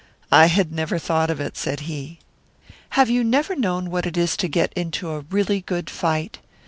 "I had never thought of it," said he. "Have you never known what it is to get into a really good fight?